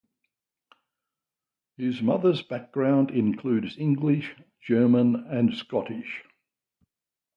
His mother's background includes English, German, and Scottish.